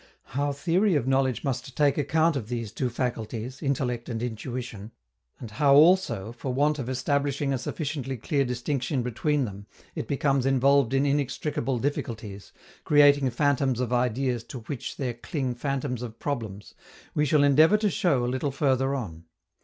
How theory of knowledge must take account of these two faculties, intellect and intuition, and how also, for want of establishing a sufficiently clear distinction between them, it becomes involved in inextricable difficulties, creating phantoms of ideas to which there cling phantoms of problems, we shall endeavor to show a little further on.